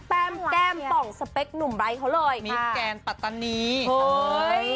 แป้มแก้มป่องสเปตเหล่านุ่มไบร์เขาเลยมิศแกนปะตะนีเฮ่ย